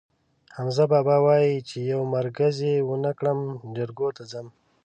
حمزه بابا وایي: چې یو مرگز یې ونه کړم، جرګو ته ځم.